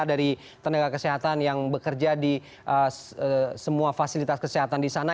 dari tenaga kesehatan yang bekerja di semua fasilitas kesehatan di sana